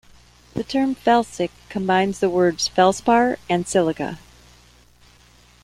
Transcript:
The term "felsic" combines the words "feldspar" and "silica".